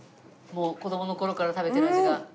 もう子供の頃から食べてる味が。